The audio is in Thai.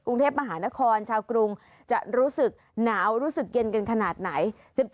กรุงเทพมหานครชาวกรุงจะรู้สึกหนาวรู้สึกเย็นกันขนาดไหน